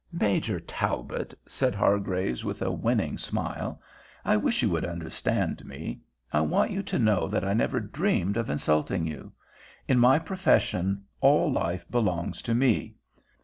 "Major Talbot," said Hargraves, with a winning smile, "I wish you would understand me. I want you to know that I never dreamed of insulting you. In my profession, all life belongs to me.